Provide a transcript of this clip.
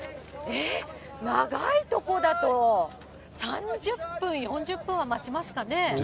長いとこだと、３０分、４０分は待ちますかね。